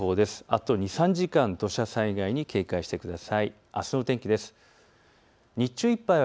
あと２、３時間、土砂災害に警戒してください。